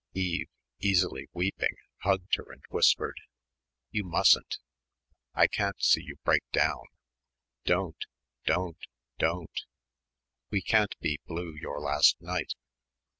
Eve, easily weeping, hugged her and whispered, "You mustn't. I can't see you break down don't don't don't. We can't be blue your last night....